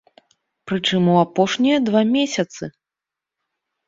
Прычым у апошнія два месяцы!